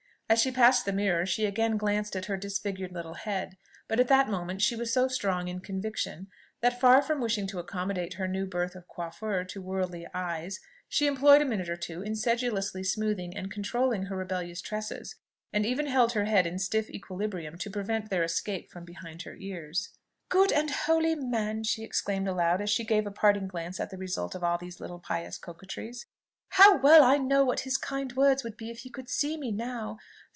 As she passed the mirror she again glanced at her disfigured little head; but at that moment she was so strong in "conviction," that, far from wishing to accommodate her new birth of coiffure to worldly eyes, she employed a minute or two in sedulously smoothing and controlling her rebellious tresses, and even held her head in stiff equilibrium to prevent their escape from behind her ears. "Good and holy man!" she exclaimed aloud, as she gave a parting glance at the result of all these little pious coquetries. "How well I know what his kind words would be if he could see me now!